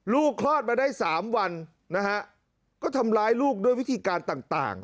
คลอดมาได้๓วันนะฮะก็ทำร้ายลูกด้วยวิธีการต่าง